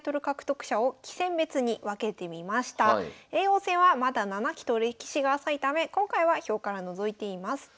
叡王戦はまだ７期と歴史が浅いため今回は表から除いています。